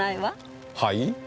はい？